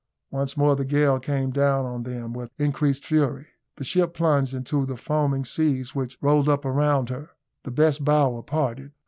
Once more the gale came down on them with increased fury. The ship plunged into the foaming seas which rolled up around her. The best bower parted.